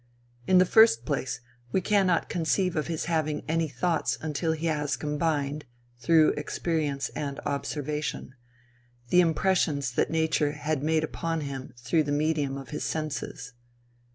In the first place, we cannot conceive of his having any thoughts until he has combined, through experience and observation, the impressions that nature had made upon him through the medium of his senses.